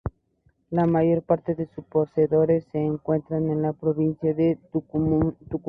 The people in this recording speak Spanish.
La mayor parte de sus poseedores se encuentran en la Provincia de Tucumán.